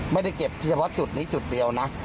ไม่ได้เก็บเฉพาะจุดนี้จุดเดียวนะ